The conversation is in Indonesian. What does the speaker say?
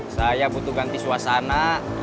saya butuh ganti suasana